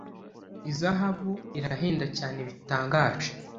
izahabu irahenda cyane bitangaje.